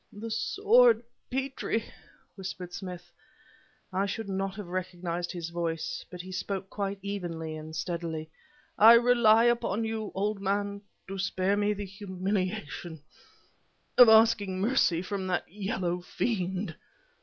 "The sword, Petrie!" whispered Smith. I should not have recognized his voice, but he spoke quite evenly and steadily. "I rely upon you, old man, to spare me the humiliation of asking mercy from that yellow fiend!"